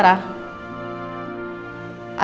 dari suami ibu